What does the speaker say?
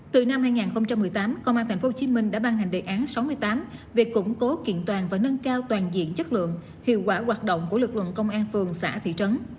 từ năm hai nghìn một mươi tám công an tp hcm đã ban hành đề án sáu mươi tám về củng cố kiện toàn và nâng cao toàn diện chất lượng hiệu quả hoạt động của lực lượng công an phường xã thị trấn